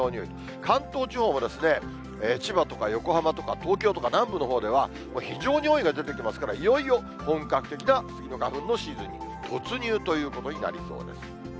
関東地方も千葉とか横浜とか東京とか南部のほうでは、非常に多いが出てきますから、いよいよ本格的なスギの花粉のシーズンに突入ということになりそうです。